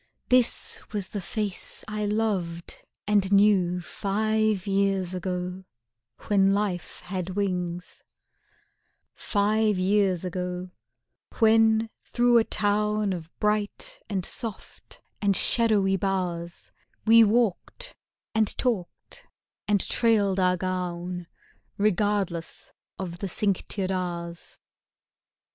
This was the face I loved and knew Five years ago, when life had wings; Five years ago, when through a town Of bright and soft and shadowy bowers We walked and talked and trailed our gown Regardless of the cinctured hours.